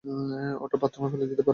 ওটা বাথরুমে ফেলে দিতে পারো।